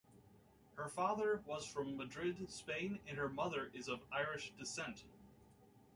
Her father was from Madrid, Spain and her mother is of Irish descent.